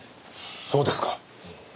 そうですか。